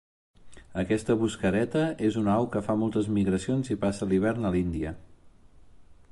Aquesta busquereta és una au que fa moltes migracions i passa l'hivern a l'Índia.